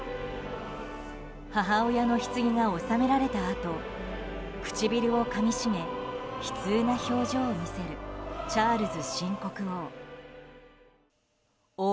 母親のひつぎが納められたあと唇をかみしめ悲痛な表情を見せるチャールズ新国王。